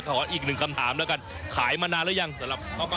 ขออีกหนึ่งคำถามแล้วกันขายมานานหรือยังสำหรับพ่อป้า